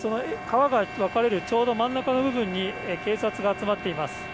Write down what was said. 川が分かれるその真ん中の部分に警察が集まっています。